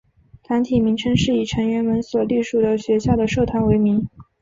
团体名称是以成员们所隶属的学校的社团为名。